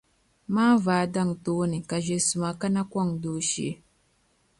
Maanvaa daŋ tooni ka ʒiɛ’ suma kana kɔŋ dooshee.